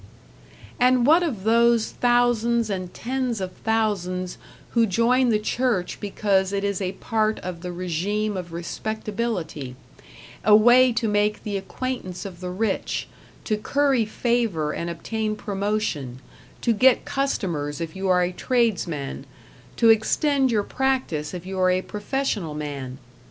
And what of those thousands and tens of thousands who join the church because it is a part of the regime of respectability, a way to make the acquaintance of the rich, to curry favor and obtain promotion, to get customers if you are a tradesman, to extend your practice if you are a professional man?